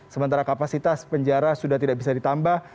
sementara kapasitas penjara sudah tidak bisa ditambah